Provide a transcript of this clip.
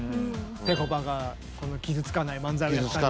ぺこぱが傷つかない漫才をやったり。